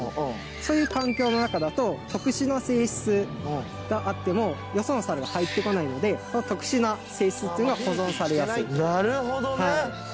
そういう環境の中だと特殊な性質があってもよそのサルが入ってこないので特殊な性質っていうのは保存されやすいはいなるほどね！